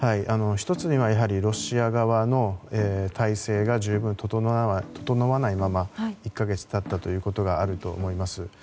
１つにはロシア側の態勢が十分整わないまま１か月経ったということがあると思います。